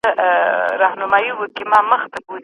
ما خپل ټول زاړه پيغامونه له موبایل نه پاک کړل.